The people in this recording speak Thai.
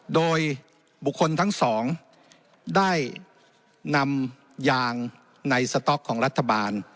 โดยบุคคลทั้งสองได้นำยางในสต๊อกของรัฐบาล